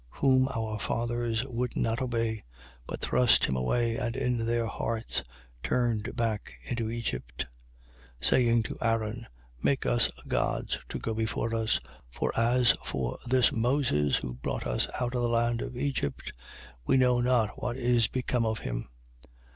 7:39. Whom our fathers would not obey: but thrust him away and in their hearts turned back into Egypt, 7:40. Saying to Aaron: Make us gods to go before us. For as for this Moses, who brought us out of the land of Egypt, we know not what is become of him.